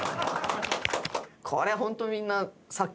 これホントみんな。